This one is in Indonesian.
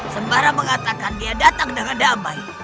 sembara mengatakan dia datang dengan damai